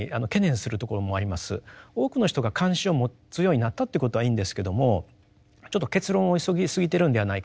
多くの人が関心を持つようになったってことはいいんですけどもちょっと結論を急ぎすぎてるんではないか。